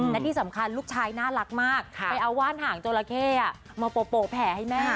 และที่สำคัญลูกชายน่ารักมากไปเอาว่านหางจราเข้มาโปะแผลให้แม่